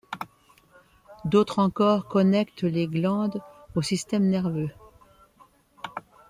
D'autres encore connectent les glandes au système nerveux.